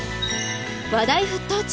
話題沸騰中！